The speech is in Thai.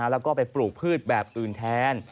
แล้วก็ไปปลูกพืชแบบอื่นแทน